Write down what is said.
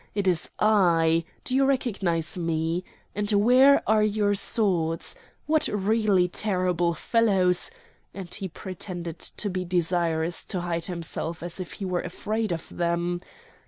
It is I! Do you recognise me? And where are your swords? What really terrible fellows!" and he pretended to be desirous to hide himself as if he were afraid of them.